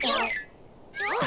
あ？